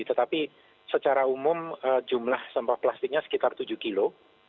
tetapi secara umum jumlah sampah plastiknya sekitar tujuh kilo